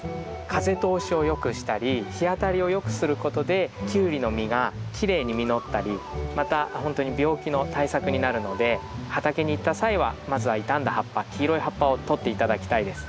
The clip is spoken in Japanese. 風通しをよくしたり日当たりをよくすることでキュウリの実がきれいに実ったりまたほんとに病気の対策になるので畑に行った際はまずは傷んだ葉っぱ黄色い葉っぱをとって頂きたいです。